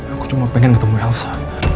aku cuma pengen ketemu helsa